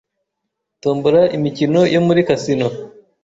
tombola, imikino yo muri Casino